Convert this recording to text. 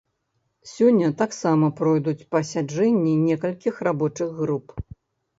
Сёння таксама пройдуць пасяджэнні некалькіх рабочых груп.